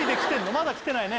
まだきてないね？